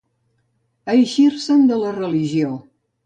Eixir-se'n de la religió.